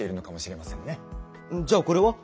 じゃあこれは？